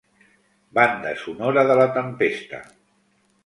Banda sonora de la tempesta.